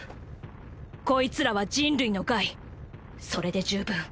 こいつらは人類の害それで十分。